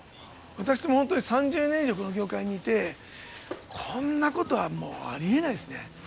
私も本当に３０年以上、この業界にいて、こんなことはもうありえないですね。